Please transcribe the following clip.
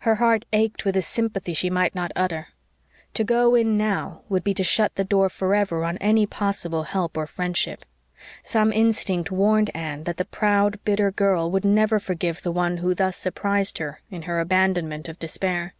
Her heart ached with a sympathy she might not utter. To go in now would be to shut the door forever on any possible help or friendship. Some instinct warned Anne that the proud, bitter girl would never forgive the one who thus surprised her in her abandonment of despair.